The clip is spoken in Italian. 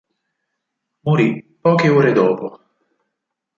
Morì poche ore dopo.